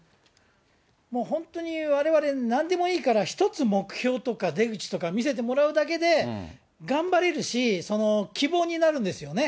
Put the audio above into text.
もう本当にわれわれ、なんでもいいから一つ目標とか出口とか見せてもらうだけで頑張れるし、希望になるんですよね。